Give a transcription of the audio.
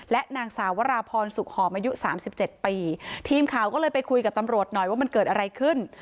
และนางสาวราพรสุขหอมอายุสามสิบเจ็ดปีทีมข่าวก็เลยไปคุยกับตำรวจหน่อยว่ามันเกิดอะไรขึ้น